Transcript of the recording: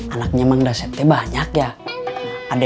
anaknya mandasep teh banyak ya